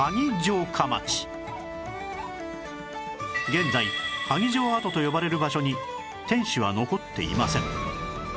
現在萩城跡と呼ばれる場所に天守は残っていません